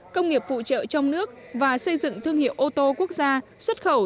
công nghiệp phụ trợ trong nước và xây dựng thương hiệu ô tô quốc gia xuất khẩu